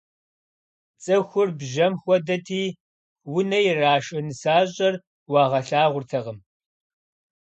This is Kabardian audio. ЦӀыхур бжьэм хуэдэти, унэ ирашэ нысащӀэр уагъэлъагъуртэкъым.